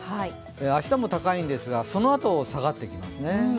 明日も高いんですが、そのあと下がってきますね。